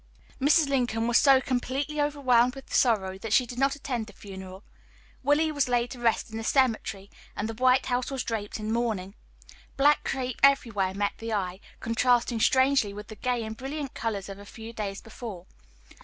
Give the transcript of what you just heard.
Mrs. Lincoln was so completely overwhelmed with sorrow that she did not attend the funeral. Willie was laid to rest in the cemetery, and the White House was draped in mourning. Black crape everywhere met the eye, contrasting strangely with the gay and brilliant colors of a few days before.